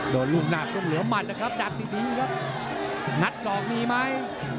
โดนรูปหน้าตรงเหลือมัดนะครับดักดีครับนัดสองมีมั้ย